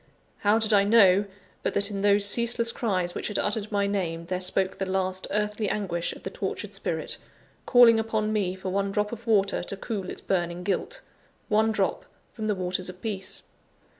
How did I know, but that in those ceaseless cries which had uttered my name, there spoke the last earthly anguish of the tortured spirit, calling upon me for one drop of water to cool its burning guilt one drop from the waters of Peace?